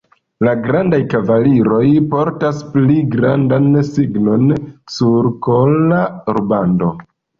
La grandaj kavaliroj portas pli grandan signon, sur kola rubando.